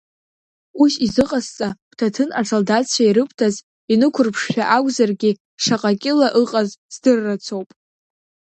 Ус изыҟасҵа, бҭаҭын асолдаҭцәа ирыбҭаз инықәырԥшшәа акәзаргьы шаҟа кьыла ыҟаз здыррацоуп.